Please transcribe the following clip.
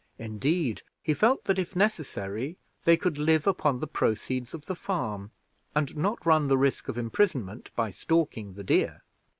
Indeed he felt that, if necessary, they could live upon the proceeds of the farm, and not run the risk of imprisonment by stalking the deer.